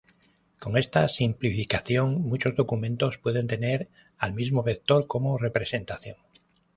Con esta simplificación muchos documentos pueden tener al mismo vector como representación.